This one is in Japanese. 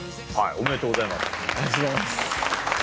ありがとうございます。